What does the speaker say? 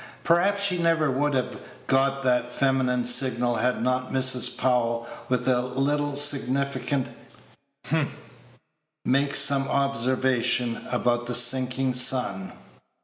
Perhaps she never would have got that feminine signal had not Mrs. Powell, with a little significant "hem," made some observation about the sinking sun.